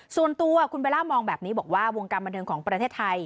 ส่วนตัวคุณเบลล่ามองแบบนี้บอกว่าวงการบันเทิงของประเทศไทย